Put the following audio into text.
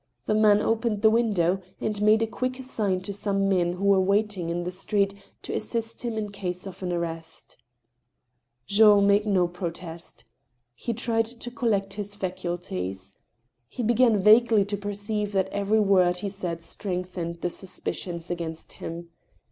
This man opened the window, and made a quick sign to some men who were waiting in the street to assist him in case of an arrest* Jean made no protest. He tried to collect his faculties. He began vaguely to perceive that every word he said strengthened the suspicions against him.